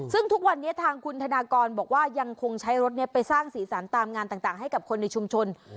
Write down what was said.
ซึ่งทุกวันนี้ทางคุณธนากรบอกว่ายังคงใช้รถนี้ไปสร้างสีสันตามงานต่างให้กับคนในชุมชน